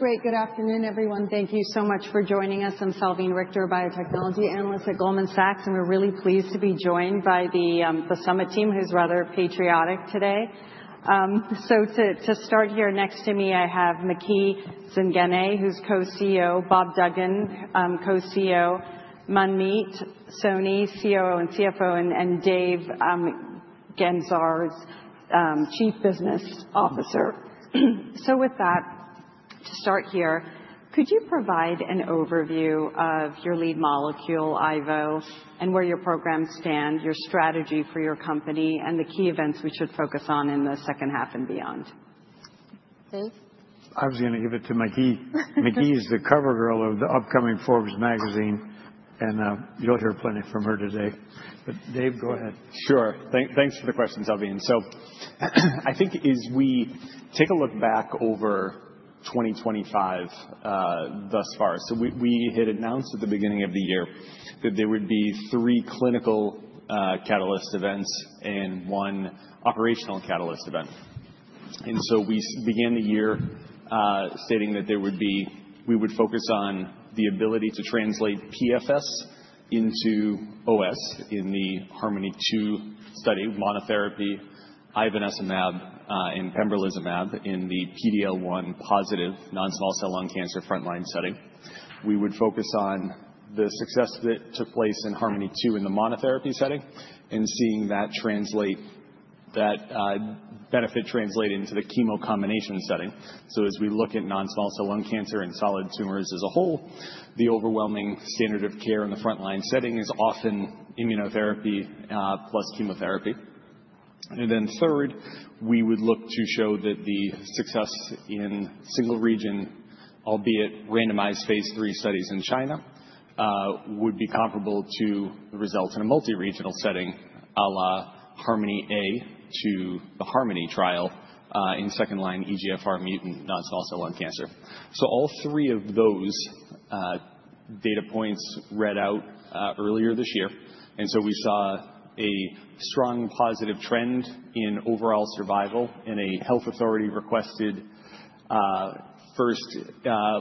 Great. Good afternoon, everyone. Thank you so much for joining us. I'm Salveen Richter, a biotechnology analyst at Goldman Sachs, and we're really pleased to be joined by the Summit team, who's rather patriotic today. To start here, next to me, I have Maky Zanganeh, who's Co-CEO, Bob Duggan, Co-CEO, Manmeet Soni, COO and CFO, and Dave Gancarz, Chief Business Officer. With that, to start here, could you provide an overview of your lead molecule, Ivo, and where your programs stand, your strategy for your company, and the key events we should focus on in the second half and beyond? Dave? I was going to give it to Maky. Maky is the cover girl of the upcoming Forbes magazine, and you'll hear plenty from her today. Dave, go ahead. Sure. Thanks for the questions, Salveen. I think as we take a look back over 2025 thus far, we had announced at the beginning of the year that there would be three clinical catalyst events and one operational catalyst event. We began the year stating that we would focus on the ability to translate PFS into OS in the HARMONi study, monotherapy Ivonescimab and Pembrolizumab in the PD-L1 positive non-small cell lung cancer frontline setting. We would focus on the success that took place in HARMONi-2 in the monotherapy setting and seeing that benefit translate into the chemocombination setting. As we look at non-small cell lung cancer and solid tumors as a whole, the overwhelming standard of care in the frontline setting is often immunotherapy plus chemotherapy. Third, we would look to show that the success in single region, albeit randomized phase III studies in China, would be comparable to the results in a multi-regional setting à la HARMONi-A to the HARMONi trial in second line eGFR mutant non-small cell lung cancer. All three of those data points read out earlier this year. We saw a strong positive trend in overall survival in a Health Authority-requested first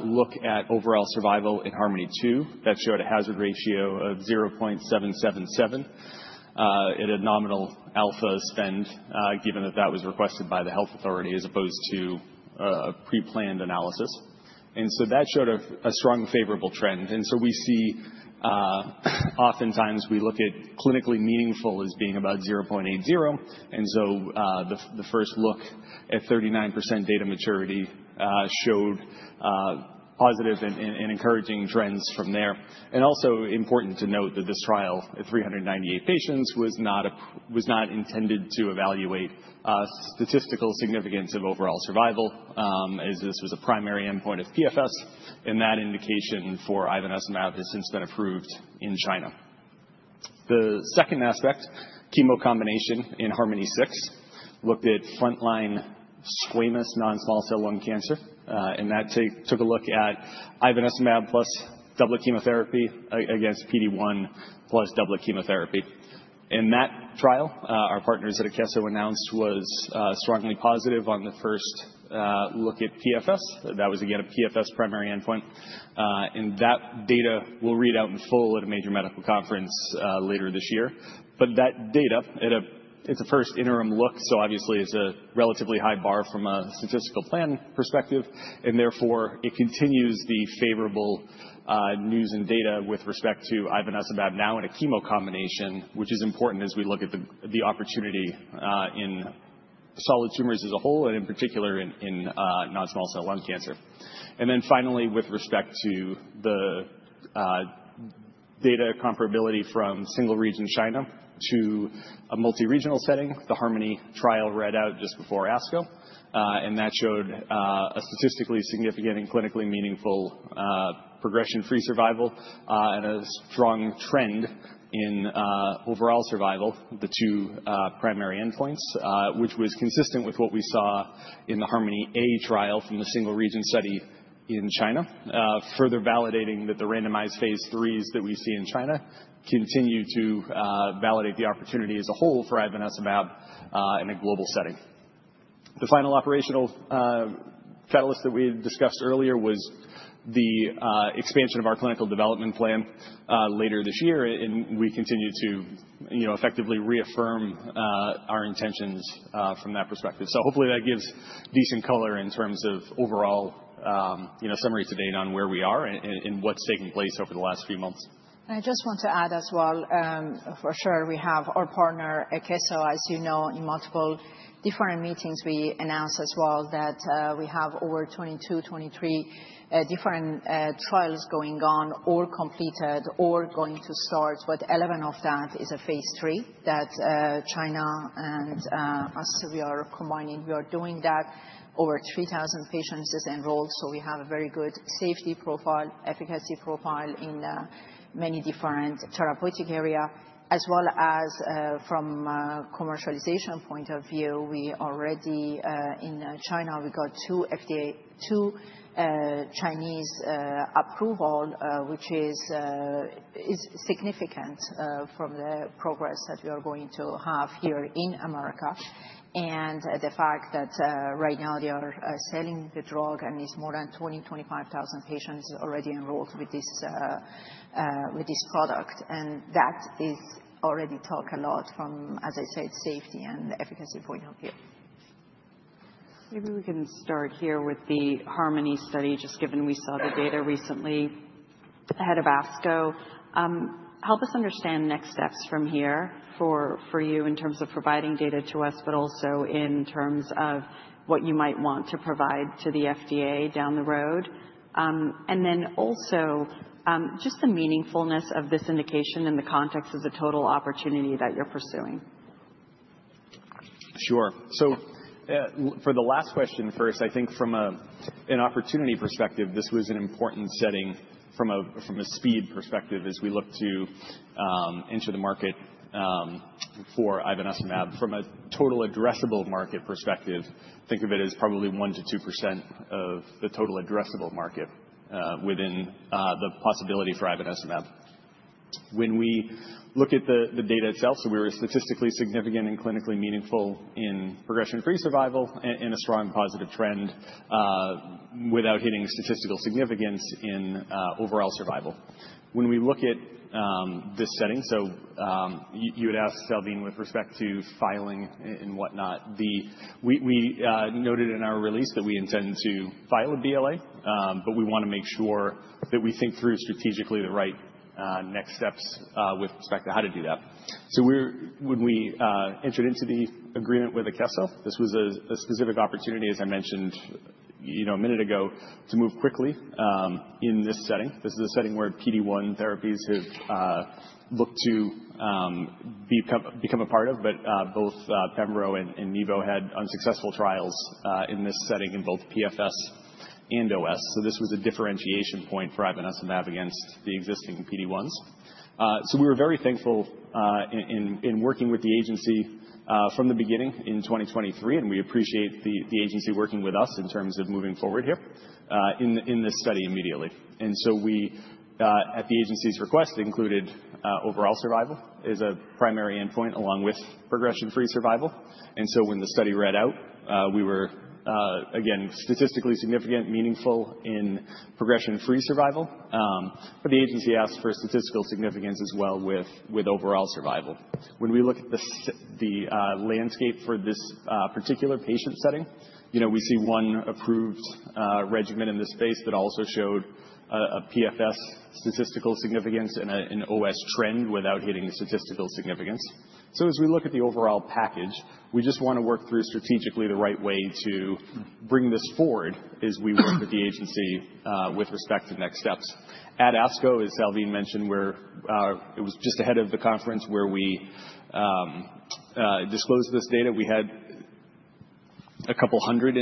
look at overall survival in HARMONi-2 that showed a hazard ratio of 0.777 at a nominal alpha spend, given that that was requested by the Health Authority as opposed to a pre-planned analysis. That showed a strong favorable trend. We see oftentimes we look at clinically meaningful as being about 0.80. The first look at 39% data maturity showed positive and encouraging trends from there. Also important to note that this trial at 398 patients was not intended to evaluate statistical significance of overall survival as this was a primary endpoint of PFS. That indication for ivonescimab has since been approved in China. The second aspect, chemocombination in HARMONi-6, looked at frontline squamous non-small cell lung cancer. That took a look at ivonescimab plus double chemotherapy against PD-1 plus double chemotherapy. In that trial, our partners at Akeso announced it was strongly positive on the first look at PFS. That was again a PFS primary endpoint. That data will read out in full at a major medical conference later this year. That data, it's a first interim look, so obviously it's a relatively high bar from a statistical plan perspective. Therefore, it continues the favorable news and data with respect to Ivanacibab now in a chemocombination, which is important as we look at the opportunity in solid tumors as a whole and in particular in non-small cell lung cancer. Finally, with respect to the data comparability from single region China to a multi-regional setting, the HARMONi trial read out just before ASCO. That showed a statistically significant and clinically meaningful progression-free survival and a strong trend in overall survival, the two primary endpoints, which was consistent with what we saw in the HARMONi-A trial from the single region study in China, further validating that the randomized phase IIIs that we see in China continue to validate the opportunity as a whole for Ivonescimab in a global setting. The final operational catalyst that we discussed earlier was the expansion of our clinical development plan later this year. We continue to effectively reaffirm our intentions from that perspective. Hopefully that gives decent color in terms of overall summary to date on where we are and what has taken place over the last few months. I just want to add as well, for sure we have our partner Akeso, as you know, in multiple different meetings we announced as well that we have over 22, 23 different trials going on, all completed or going to start, but 11 of that is a phase III that China and us, we are combining, we are doing that. Over 3,000 patients is enrolled. We have a very good safety profile, efficacy profile in many different therapeutic areas, as well as from a commercialization point of view, we already in China, we got two FDA, two Chinese approval, which is significant from the progress that we are going to have here in America. The fact that right now they are selling the drug and it's more than 20,000-25,000 patients already enrolled with this product. That is already talk a lot from, as I said, safety and efficacy point of view. Maybe we can start here with the HARMONi study, just given we saw the data recently ahead of ASCO. Help us understand next steps from here for you in terms of providing data to us, but also in terms of what you might want to provide to the FDA down the road. Also just the meaningfulness of this indication in the context as a total opportunity that you're pursuing. Sure. For the last question first, I think from an opportunity perspective, this was an important setting from a speed perspective as we looked to enter the market for Ivonescimab. From a total addressable market perspective, think of it as probably 1%-2% of the total addressable market within the possibility for Ivonescimab. When we look at the data itself, we were statistically significant and clinically meaningful in progression-free survival and a strong positive trend without hitting statistical significance in overall survival. When we look at this setting, you had a-sked, Salveen, with respect to filing and what-not, we noted in our release that we intend to file a BLA, but we want to make sure that we think through strategically the right next steps with respect to how to do that. When we entered into the agreement with Akeso, this was a specific opportunity, as I mentioned a minute ago, to move quickly in this setting. This is a setting where PD-1 therapies have looked to become a part of, but both pembro and nivo had unsuccessful trials in this setting in both PFS and OS. This was a differentiation point for Ivonescimab against the existing PD-1s. We were very thankful in working with the agency from the beginning in 2023, and we appreciate the agency working with us in terms of moving forward here in this study immediately. We, at the agency's request, included overall survival as a primary endpoint along with progression-free survival. When the study readout, we were again statistically significant, meaningful in progression-free survival. The agency asked for statistical significance as well with overall survival. When we look at the landscape for this particular patient setting, we see one approved regimen in this space that also showed a PFS statistical significance and an OS trend without hitting statistical significance. As we look at the overall package, we just want to work through strategically the right way to bring this forward as we work with the agency with respect to next steps. At ASCO, as Salveen mentioned, it was just ahead of the conference where we disclosed this data. We had a couple hundred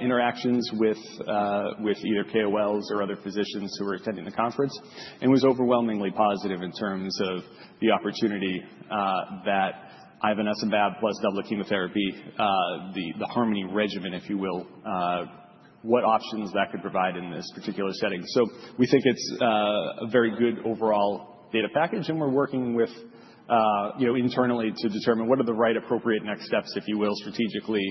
interactions with either KOLs or other physicians who were attending the conference. It was overwhelmingly positive in terms of the opportunity that Ivanacibab plus double chemotherapy, the HARMOi regimen, if you will, what options that could provide in this particular setting. We think it's a very good overall data package, and we're working internally to determine what are the right appropriate next steps, if you will, strategically.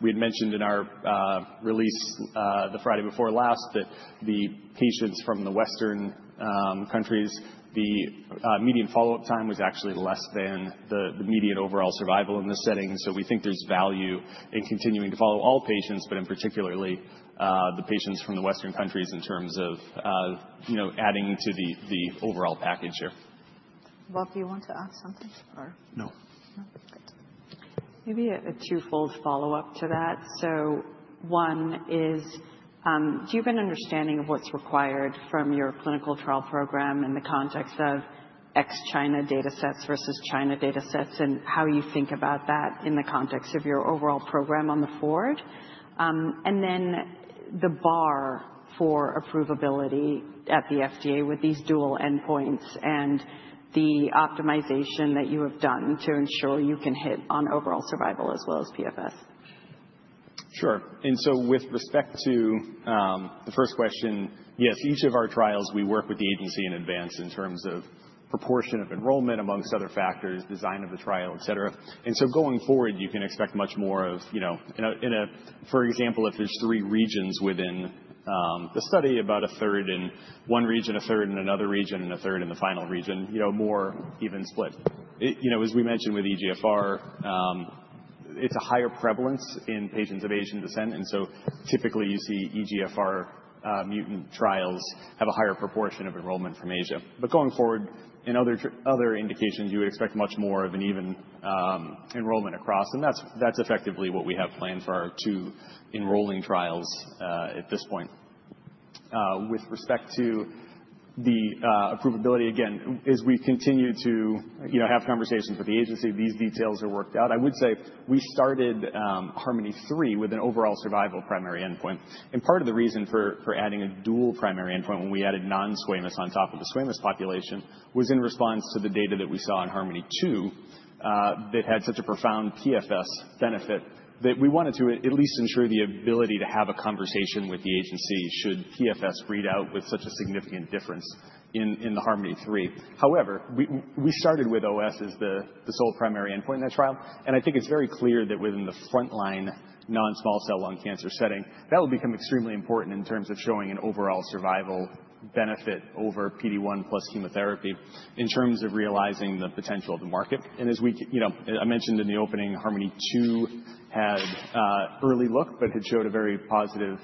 We had mentioned in our release the Friday before last that the patients from the Western countries, the median follow-up time was actually less than the median overall survival in this setting. We think there's value in continuing to follow all patients, but in particularly the patients from the Western countries in terms of adding to the overall package here. Bob, do you want to add something? No. No? Good. Maybe a twofold follow-up to that. One is, do you have an understanding of what's required from your clinical trial program in the context of ex-China data sets versus China data sets and how you think about that in the context of your overall program going forward? The bar for approvability at the FDA with these dual endpoints and the optimization that you have done to ensure you can hit on overall survival as well as PFS. Sure. With respect to the first question, yes, each of our trials, we work with the agency in advance in terms of proportion of enrollment amongst other factors, design of the trial, et cetera. Going forward, you can expect much more of, for example, if there are three regions within the study, about a third in one region, a third in another region, and a third in the final region, more even split. As we mentioned with eGFR, it is a higher prevalence in patients of Asian descent. Typically, you see eGFR mutant trials have a higher proportion of enrollment from Asia. Going forward, in other indications, you would expect much more of an even enrollment across. That is effectively what we have planned for our two enrolling trials at this point. With respect to the approvability, again, as we continue to have conversations with the agency, these details are worked out. I would say we started HARMONi-3 with an overall survival primary endpoint. Part of the reason for adding a dual primary endpoint when we added non-squamous on top of the squamous population was in response to the data that we saw in HARMONi-2 that had such a profound PFS benefit that we wanted to at least ensure the ability to have a conversation with the agency should PFS read out with such a significant difference in the HARMONi-3. However, we started with OS as the sole primary endpoint in that trial. I think it's very clear that within the frontline non-small cell lung cancer setting, that will become extremely important in terms of showing an overall survival benefit over PD-1 plus chemotherapy in terms of realizing the potential of the market. As I mentioned in the opening, HARMONi-2 had early look, but had showed a very positive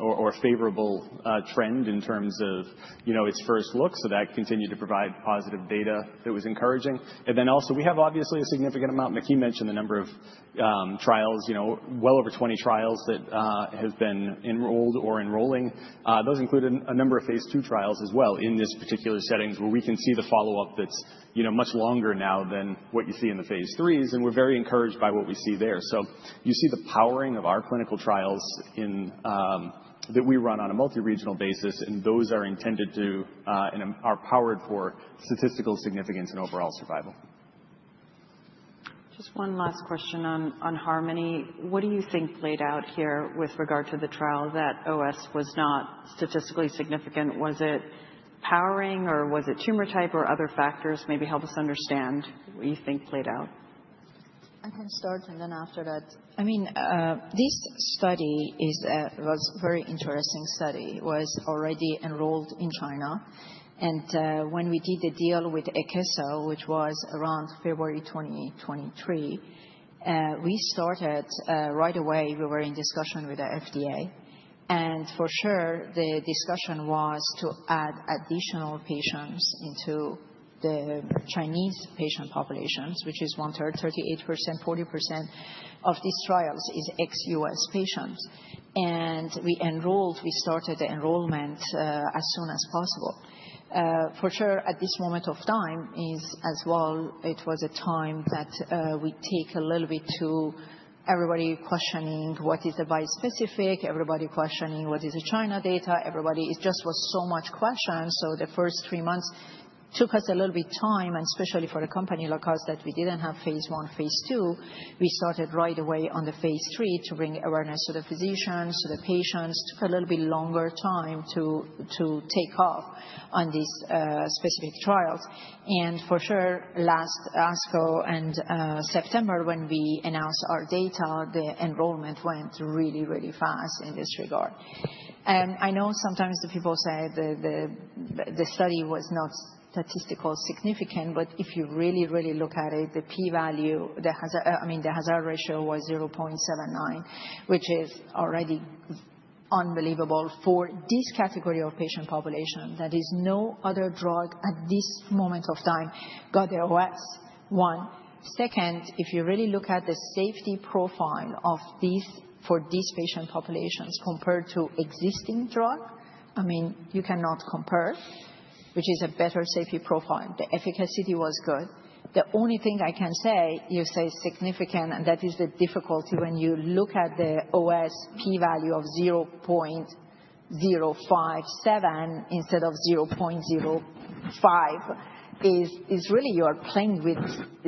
or favorable trend in terms of its first look. That continued to provide positive data that was encouraging. We have obviously a significant amount, Maky mentioned the number of trials, well over 20 trials that have been enrolled or enrolling. Those included a number of phase II trials as well in this particular setting where we can see the follow-up that's much longer now than what you see in the phase IIIs. We're very encouraged by what we see there. You see the powering of our clinical trials that we run on a multi-regional basis, and those are intended to and are powered for statistical significance and overall survival. Just one last question on HARMONi. What do you think played out here with regard to the trial that OS was not statistically significant? Was it powering or was it tumor type or other factors? Maybe help us understand what you think played out. I can start and then after that. I mean, this study was a very interesting study. It was already enrolled in China. When we did the deal with Akeso, which was around February 2023, we started right away, we were in discussion with the FDA. For sure, the discussion was to add additional patients into the Chinese patient populations, which is 1/3. 38%-40% of these trials is ex-U.S. patients. We enrolled, we started the enrollment as soon as possible. For sure, at this moment of time as well, it was a time that we take a little bit to everybody questioning what is the bispecific, everybody questioning what is the China data. Everybody, it just was so much questions. The first three months took us a little bit of time, and especially for a company like us that we didn't have phase I, phase II, we started right away on the phase III to bring awareness to the physicians, to the patients. Took a little bit longer time to take off on these specific trials. For sure, last ASCO and September when we announced our data, the enrollment went really, really fast in this regard. I know sometimes people say the study was not statistically significant, but if you really, really look at it, the P-value, I mean, the hazard ratio was 0.79, which is already unbelievable for this category of patient population. There is no other drug at this moment of time got the OS one. Second, if you really look at the safety profile for these patient populations compared to existing drug, I mean, you cannot compare, which is a better safety profile. The efficacy was good. The only thing I can say, you say significant, and that is the difficulty when you look at the OS P-value of 0.057 instead of 0.05 is really you are playing with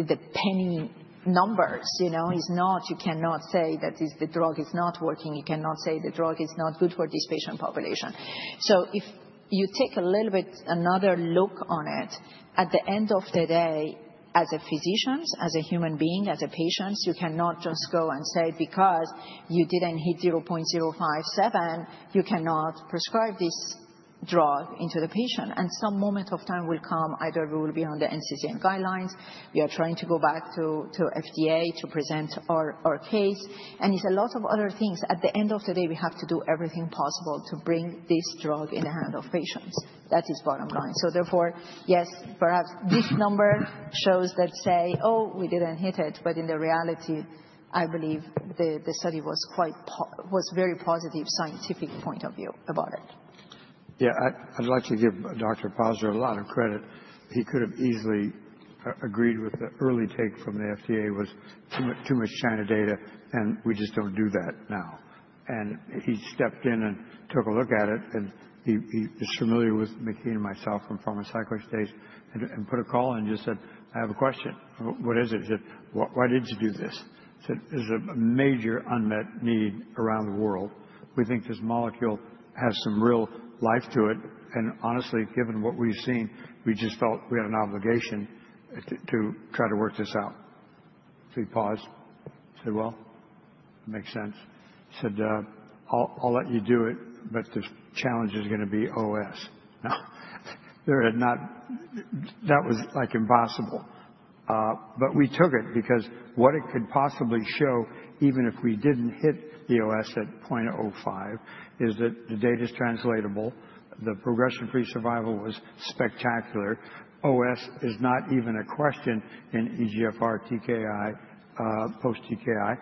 the penny numbers. It's not, you cannot say that the drug is not working. You cannot say the drug is not good for this patient population. If you take a little bit another look on it, at the end of the day, as a physician, as a human being, as a patient, you cannot just go and say because you did not hit 0.057, you cannot prescribe this drug into the patient. A moment of time will come, either we will be on the NCCN guidelines, we are trying to go back to FDA to present our case, and it is a lot of other things. At the end of the day, we have to do everything possible to bring this drug in the hand of patients. That is bottom line. Therefore, yes, perhaps this number shows that, say, oh, we did not hit it, but in reality, I believe the study was very positive scientific point of view about it. Yeah, I'd like to give Dr. Pazer a lot of credit. He could have easily agreed with the early take from the FDA was too much China data, and we just do not do that now. He stepped in and took a look at it, and he is familiar with Maky and myself from pharmaceutical studies and put a call and just said, I have a question. What is it? He said, why did you do this? He said, there is a major unmet need around the world. We think this molecule has some real life to it. And honestly, given what we have seen, we just felt we had an obligation to try to work this out. He paused. He said, it makes sense. He said, I'll let you do it, but the challenge is going to be OS. Now, that was like impossible. We took it because what it could possibly show, even if we did not hit the OS at 0.05, is that the data is translatable. The progression-free survival was spectacular. OS is not even a question in eGFR, TKI, post-TKI.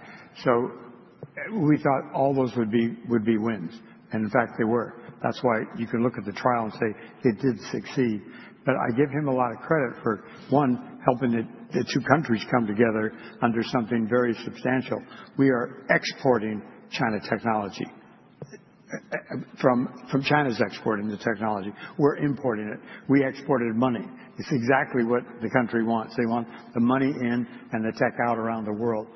We thought all those would be wins. In fact, they were. That is why you can look at the trial and say it did succeed. I give him a lot of credit for, one, helping the two countries come together under something very substantial. We are exporting China technology. From China is exporting the technology, we are importing it. We exported money. It is exactly what the country wants. They want the money in and the tech out around the world.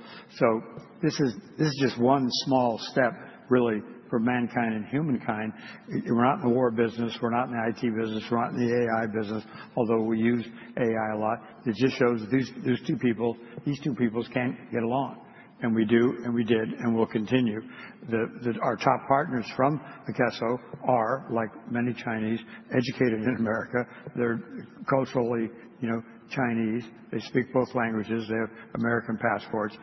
This is just one small step really for mankind and humankind. We are not in the war business. We are not in the IT business. We're not in the AI business, although we use AI a lot. It just shows these two peoples, these two peoples can't get along. We do, and we did, and we'll continue. Our top partners from Akeso are, like many Chinese, educated in America. They're culturally Chinese. They speak both languages. They have American passports.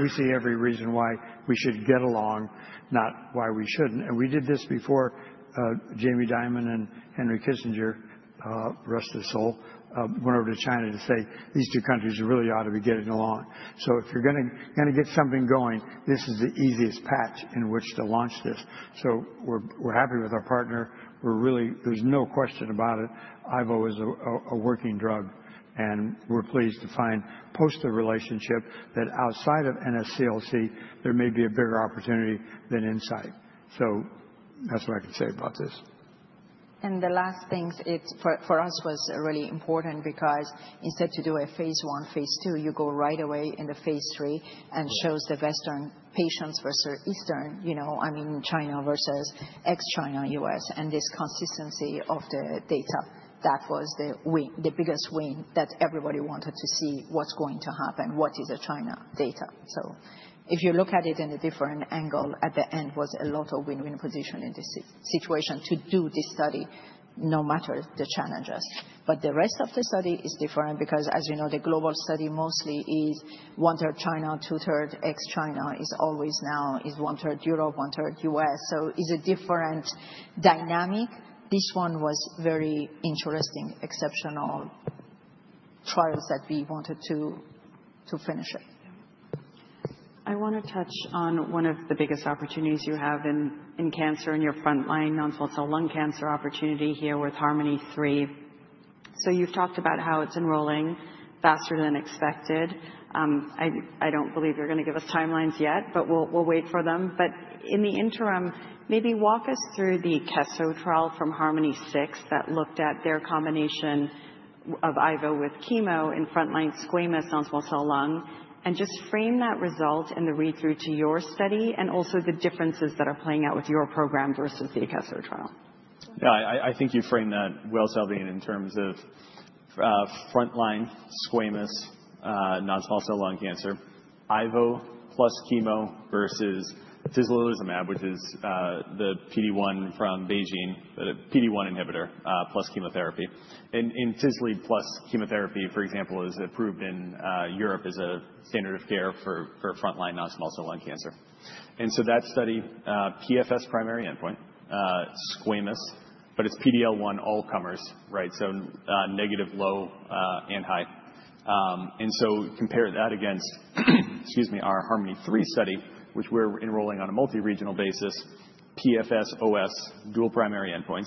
We see every reason why we should get along, not why we shouldn't. We did this before Jamie Dimon and Henry Kissinger, rest his soul, went over to China to say these two countries really ought to be getting along. If you're going to get something going, this is the easiest patch in which to launch this. We're happy with our partner. There's no question about it. Ivo is a working drug. We're pleased to find post the relationship that outside of NSCLC, there may be a bigger opportunity than insight. So that's what I can say about this. The last thing for us was really important because instead to do a phase I, phase II, you go right away in the phase III and shows the Western patients versus Eastern, I mean, China versus ex-China, U.S. This consistency of the data, that was the biggest win that everybody wanted to see what's going to happen, what is the China data. If you look at it in a different angle, at the end was a lot of win-win position in this situation to do this study no matter the challenges. The rest of the study is different because, as you know, the global study mostly is one third China, two third ex-China is always now is one third Europe, one third US. It's a different dynamic. This one was very interesting, exceptional trials that we wanted to finish it. I want to touch on one of the biggest opportunities you have in cancer and your frontline non-small cell lung cancer opportunity here with HARMONi-3. You have talked about how it is enrolling faster than expected. I do not believe you are going to give us timelines yet, but we will wait for them. In the interim, maybe walk us through the Akeso trial from HARMONi-6 that looked at their combination of Ivo with chemo in frontline squamous non-small cell lung, and just frame that result and the read-through to your study and also the differences that are playing out with your program versus the Akeso trial. Yeah, I think you framed that well sounding in terms of frontline squamous non-small cell lung cancer, Ivo plus chemo versus tislelizumab, which is the PD-1 from Beijing, the PD-1 inhibitor plus chemotherapy. And tisle plus chemotherapy, for example, is approved in Europe as a standard of care for frontline non-small cell lung cancer. That study, PFS primary endpoint, squamous, but it is PD-L1 all comers, right? So negative, low, and high. Compare that against, excuse me, our HARMONi-3study, which we are enrolling on a multi-regional basis, PFS, OS, dual primary endpoints.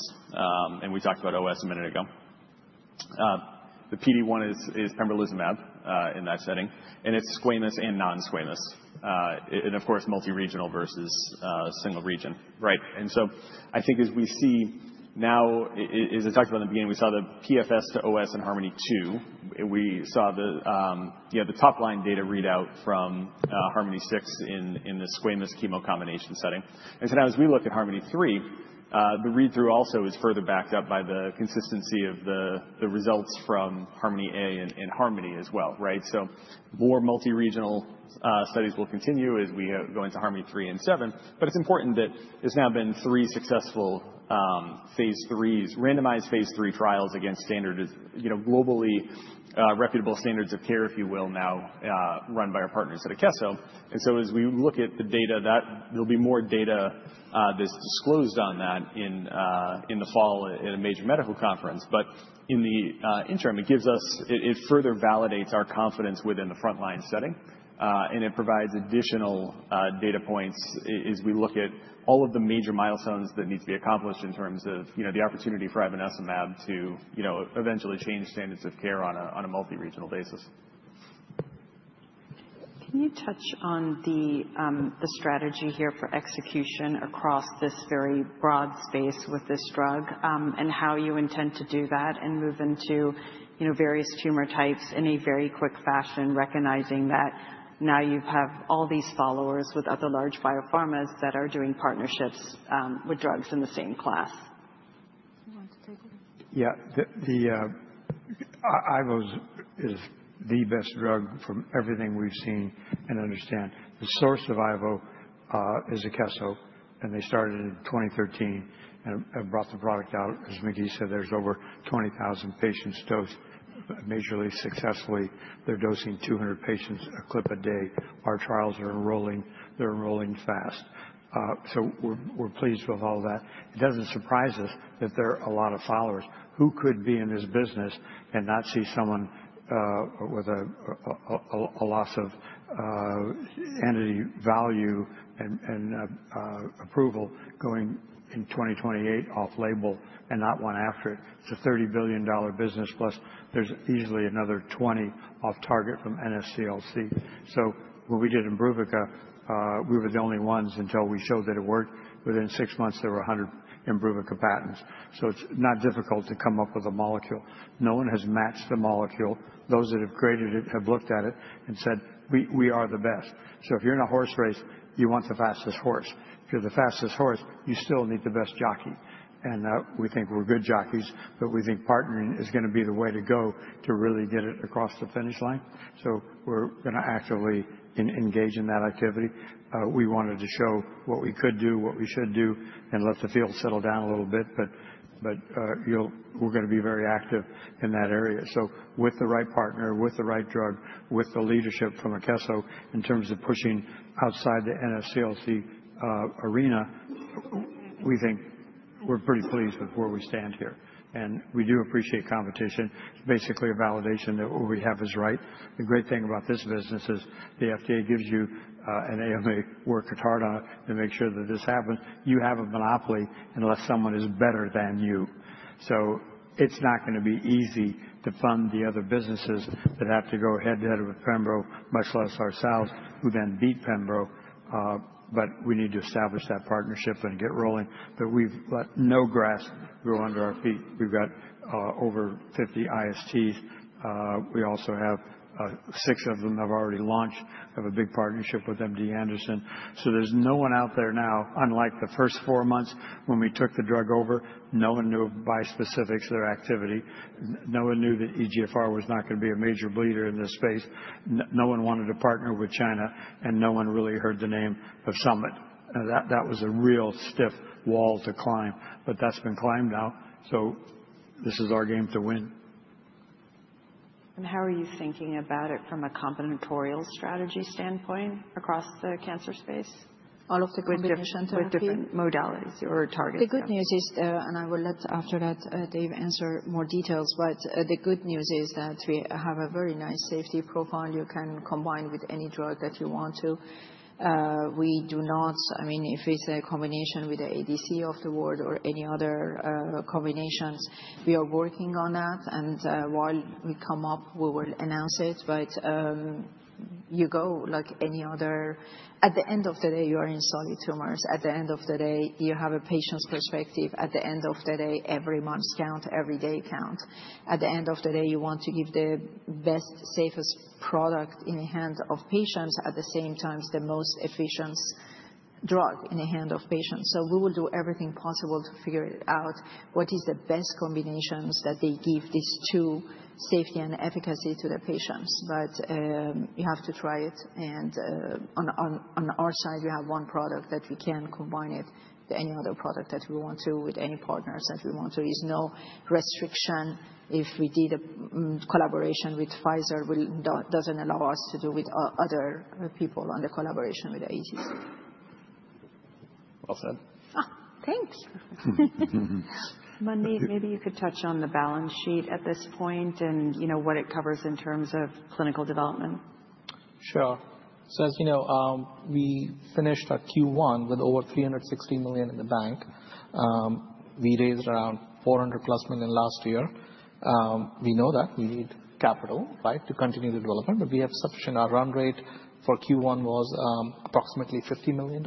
We talked about OS a minute ago. The PD-1 is pembrolizumab in that setting. It is squamous and non-squamous. Of course, multi-regional versus single region, right? I think as we see now, as I talked about in the beginning, we saw the PFS to OS in HARMONi-2, we saw the top line data readout from HARMONi-6 in the squamous chemo combination setting. Now as we look at HARMONi-3, the read-through also is further backed up by the consistency of the results from HARMONi-A and HARMONi as well, right? More multi-regional studies will continue as we go into HARMONi-3 and 7. It is important that there have now been three successful phase III, randomized phase III trials against globally reputable standards of care, if you will, now run by our partners at Akeso. As we look at the data, there will be more data that is disclosed on that in the fall at a major medical conference. In the interim, it gives us, it further validates our confidence within the frontline setting. It provides additional data points as we look at all of the major milestones that need to be accomplished in terms of the opportunity for Ivonescimab to eventually change standards of care on a multi-regional basis. Can you touch on the strategy here for execution across this very broad space with this drug and how you intend to do that and move into various tumor types in a very quick fashion, recognizing that now you have all these followers with other large biopharmas that are doing partnerships with drugs in the same class? I want to take it. Yeah, Ivo is the best drug from everything we've seen and understand. The source of Ivo is Akeso, and they started in 2013 and brought the product out. As Maky said, there's over 20,000 patients dosed majorly successfully. They're dosing 200 patients a clip a day. Our trials are enrolling. They're enrolling fast. We are pleased with all that. It doesn't surprise us that there are a lot of followers who could be in this business and not see someone with a loss of entity value and approval going in 2028 off label and not one after it. It's a $30 billion business, plus there's easily another 20 off-target from NSCLC. When we did IMBRUVICA, we were the only ones until we showed that it worked. Within six months, there were 100 IMBRUVICA patents. It's not difficult to come up with a molecule. No one has matched the molecule. Those that have graded it have looked at it and said, we are the best. If you're in a horse race, you want the fastest horse. If you're the fastest horse, you still need the best jockey. We think we're good jockeys, but we think partnering is going to be the way to go to really get it across the finish line. We're going to actively engage in that activity. We wanted to show what we could do, what we should do, and let the field settle down a little bit. We're going to be very active in that area. With the right partner, with the right drug, with the leadership from Akeso in terms of pushing outside the NSCLC arena, we think we're pretty pleased with where we stand here. We do appreciate competition. It's basically a validation that what we have is right. The great thing about this business is the FDA gives you an AMA, work hard on it to make sure that this happens. You have a monopoly unless someone is better than you. It's not going to be easy to fund the other businesses that have to go head to head with pembro, much less ourselves, who then beat pembro. We need to establish that partnership and get rolling. We've let no grass grow under our feet. We've got over 50 ISTs. Six of them have already launched. We have a big partnership with MD Anderson. There's no one out there now, unlike the first four months when we took the drug over, no one knew of bispecifics, their activity. No one knew that eGFR was not going to be a major bleeder in this space. No one wanted to partner with China, and no one really heard the name of Summit. That was a real stiff wall to climb, but that's been climbed now. This is our game to win. How are you thinking about it from a combinatorial strategy standpoint across the cancer space? All of the good different modalities or targets. The good news is, and I will let after that Dave answer more details, but the good news is that we have a very nice safety profile you can combine with any drug that you want to. I mean, if it's a combination with the ADC of the world or any other combinations, we are working on that. While we come up, we will announce it. You go like any other, at the end of the day, you are in solid tumors. At the end of the day, you have a patient's perspective. At the end of the day, every month counts, every day counts. At the end of the day, you want to give the best, safest product in the hand of patients, at the same time the most efficient drug in the hand of patients. We will do everything possible to figure it out, what is the best combinations that they give this to safety and efficacy to the patients. You have to try it. On our side, we have one product that we can combine it with any other product that we want to, with any partners that we want to. There is no restriction. If we did a collaboration with Pfizer, it does not allow us to do with other people on the collaboration with the ADC. Well said. Thanks. Manmeet, maybe you could touch on the balance sheet at this point and what it covers in terms of clinical development. Sure. As you know, we finished our Q1 with over $360 million in the bank. We raised around $400+ million last year. We know that we need capital, right, to continue the development, but we have sufficient. Our run rate for Q1 was approximately $50 million,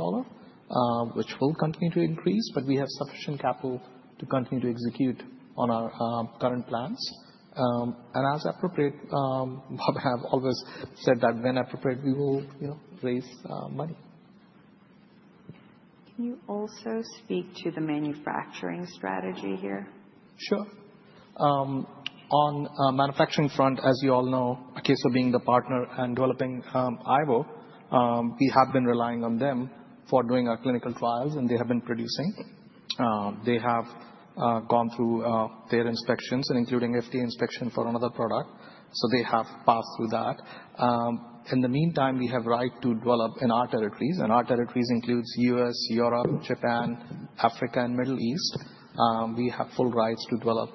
which will continue to increase, but we have sufficient capital to continue to execute on our current plans. As appropriate, Bob and I have always said that when appropriate, we will raise money. Can you also speak to the manufacturing strategy here? Sure. On the manufacturing front, as you all know, Akeso being the partner and developing Ivo, we have been relying on them for doing our clinical trials, and they have been producing. They have gone through their inspections, including FDA inspection for another product. They have passed through that. In the meantime, we have rights to develop in our territories. Our territories include U.S., Europe, Japan, Africa, and Middle East. We have full rights to develop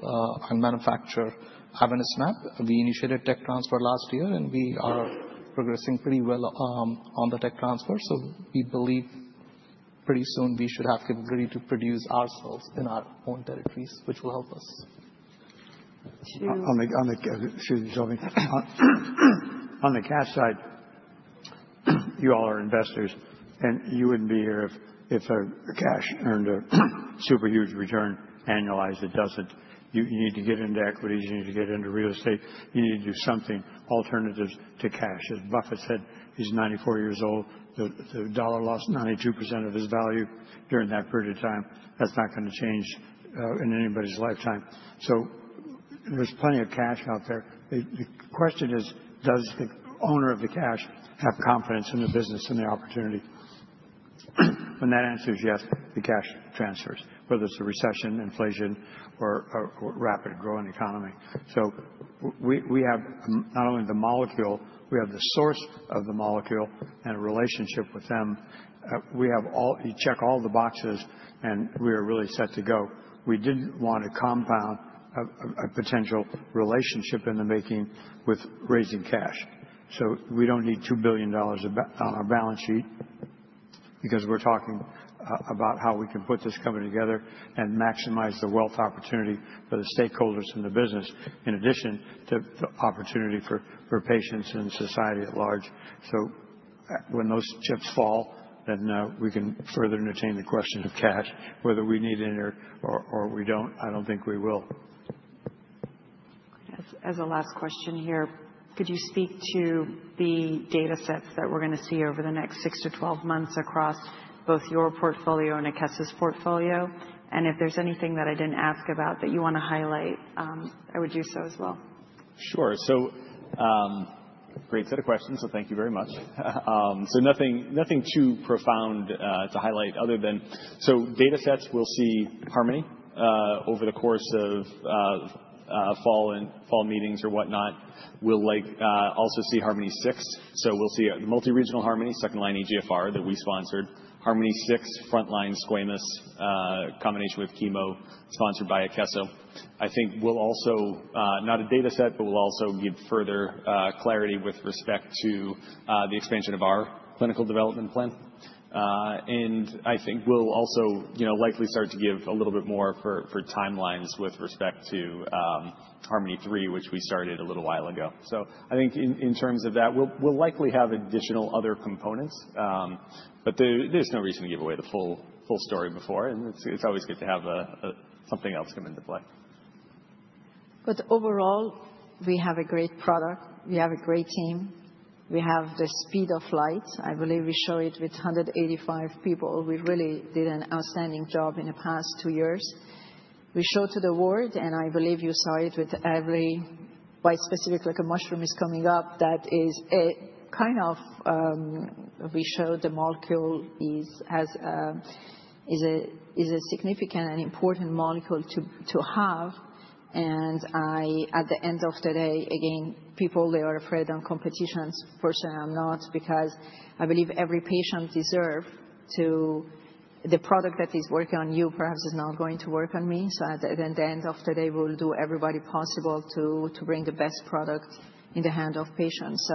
and manufacture Ivonescimab We initiated tech transfer last year, and we are progressing pretty well on the tech transfer. We believe pretty soon we should have the ability to produce ourselves in our own territories, which will help us. On the cash side, you all are investors, and you wouldn't be here if cash earned a super huge return annualized. It doesn't. You need to get into equities. You need to get into real-estate. You need to do something alternative to cash. As Buffett said, he's 94 years old. The dollar lost 92% of its value during that period of time. That's not going to change in anybody's lifetime. There is plenty of cash out there. The question is, does the owner of the cash have confidence in the business and the opportunity? When that answer is yes, the cash transfers, whether it's a recession, inflation, or a rapidly growing economy. We have not only the molecule, we have the source of the molecule and a relationship with them. We check all the boxes, and we are really set to go. We did not want to compound a potential relationship in the making with raising cash. We do not need $2 billion on our balance sheet because we are talking about how we can put this company together and maximize the wealth opportunity for the stakeholders in the business, in addition to the opportunity for patients and society at large. When those chips fall, we can further entertain the question of cash, whether we need it or we do not. I do not think we will. As a last question here, could you speak to the data sets that we're going to see over the next six to 12 months across both your portfolio and Akeso's portfolio? If there's anything that I didn't ask about that you want to highlight, I would do so as well. Sure. Great set of questions. Thank you very much. Nothing too profound to highlight other than, data sets, we'll see HARMONi over the course of fall meetings or whatnot. We'll also see HARMONi-6. We'll see the multi-regional HARMONi, second line eGFR that we sponsored, HARMONi-6, frontline squamous combination with chemo sponsored by Akeso. I think we'll also, not a data set, but we'll also give further clarity with respect to the expansion of our clinical development plan. I think we'll also likely start to give a little bit more for timelines with respect to HARMONi-6, which we started a little while ago. In terms of that, we'll likely have additional other components, but there's no reason to give away the full story before. It's always good to have something else come into play. Overall, we have a great product. We have a great team. We have the speed of light. I believe we show it with 185 people. We really did an outstanding job in the past two years. We showed to the world, and I believe you saw it with every bispecific, like a mushroom is coming up, that is kind of, we showed the molecule is a significant and important molecule to have. At the end of the day, again, people, they are afraid of competitions. Personally, I'm not because I believe every patient deserves the product that is working on you. Perhaps it's not going to work on me. At the end of the day, we'll do everybody possible to bring the best product in the hand of patients.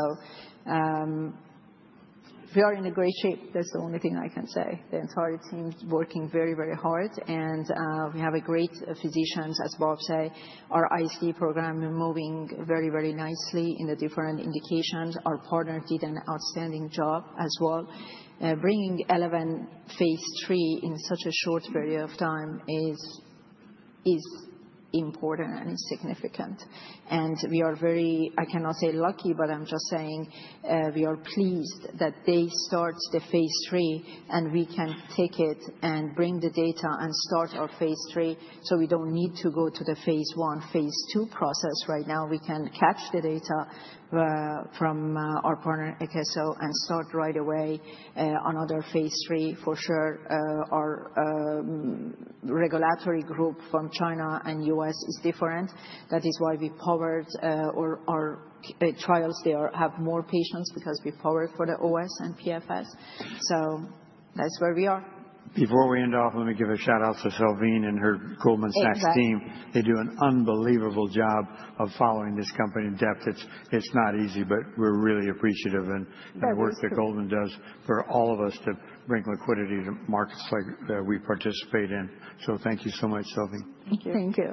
We are in great shape. That's the only thing I can say. The entire team is working very, very hard. We have great physicians, as Bob said. Our IST program is moving very, very nicely in the different indications. Our partner did an outstanding job as well. Bringing 11 phase III in such a short period of time is important and significant. We are very, I cannot say lucky, but I'm just saying we are pleased that they start the phase III and we can take it and bring the data and start our phase III. We do not need to go to the phase I, phase II process right now. We can catch the data from our partner Akeso and start right away another phase III. For sure, our regulatory group from China and U.S. is different. That is why we powered our trials. They have more patients because we powered for the OS and PFS. That's where we are. Before we end off, let me give a shout out to Salveen and her Goldman Sachs team. They do an unbelievable job of following this company in depth. It's not easy, but we're really appreciative of the work that Goldman does for all of us to bring liquidity to markets like we participate in. Thank you so much, Salveen. Thank you.